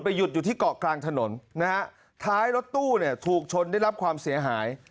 หยุดอยู่ที่เกาะกลางถนนนะฮะท้ายรถตู้เนี่ยถูกชนได้รับความเสียหาย